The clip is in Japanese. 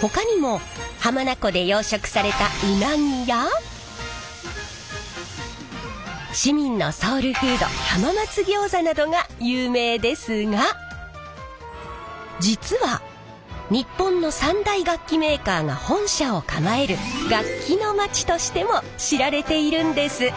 ほかにも浜名湖で養殖されたウナギや市民のソウルフード浜松餃子などが有名ですが実は日本の三大楽器メーカーが本社を構える楽器の町としても知られているんです。